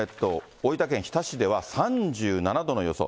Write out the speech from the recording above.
大分県日田市では３７度の予想。